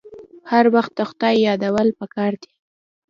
هر وخت د خدای یادول پکار دي.